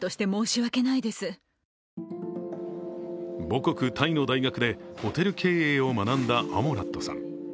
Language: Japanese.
母国タイの大学で、ホテル経営を学んだアモラットさん。